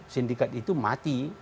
sindikat itu mati